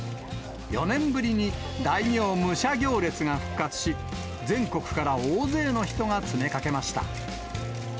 ４年ぶりに大名武者行列が復活し、全国から大勢の人が詰めかけました。